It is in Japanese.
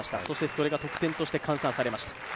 それが得点として換算されました。